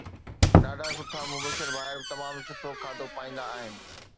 ڏاڍا سٺا مبشر ڀائر به تمام سٺو کاڌو پائيندا آهن